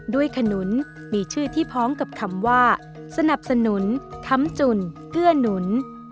ขนุนมีชื่อที่พ้องกับคำว่าสนับสนุนค้ำจุ่นเกื้อหนุน